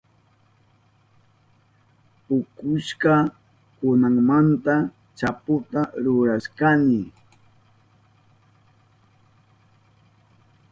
Pukushka kunamanta chaputa rurashkani.